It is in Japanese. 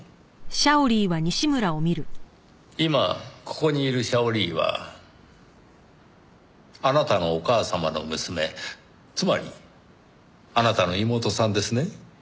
今ここにいるシャオリーはあなたのお母様の娘つまりあなたの妹さんですね？